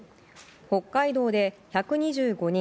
北海道で１２５人